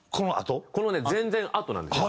このね全然あとなんですよ。